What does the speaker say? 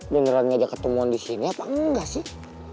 beneran gak ada ketemuan di sini apa enggak sih